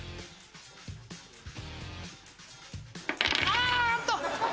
あっと！